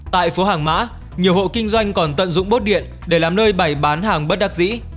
tại phố hàng mã nhiều hộ kinh doanh còn tận dụng bốt điện để làm nơi bày bán hàng bất đắc dĩ